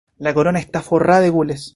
La corona está forrada de gules.